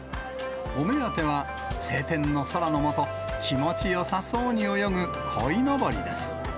お目当ては、晴天の空の下、気持ちよさそうに泳ぐこいのぼりです。